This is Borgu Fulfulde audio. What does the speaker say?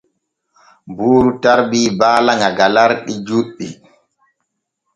Buuru tarbi baala ŋa galarɗi juɗɗi.